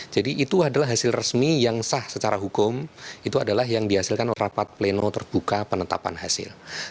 jadi itu adalah hasil resmi yang sah secara hukum itu adalah yang dihasilkan oleh rapat pleno terbuka penetapan hasil